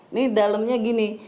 ini dalemnya gini